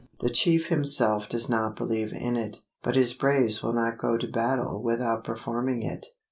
The chief himself does not believe in it; but his braves will not go to battle without performing it.